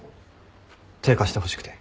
手貸してほしくて。